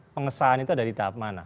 pengesahan itu ada di tahap mana